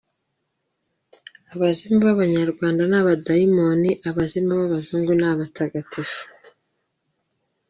Abazimu b’Abanyarwanda ni abadayimoni, abazimu b’abazungu ni abatagatifu!!!.